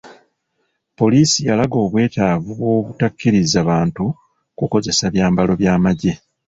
Poliisi yalaga obwetaavu bw'obutakkiriza bantu kukozesa byambalo by'amaggye.